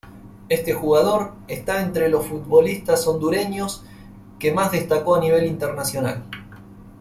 Este jugador, está entre los futbolistas hondureños que más destacó a nivel internacional.